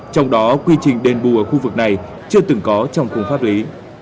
trong đó quy trình đền bù ở khu vực này chưa từng có trong khung pháp lý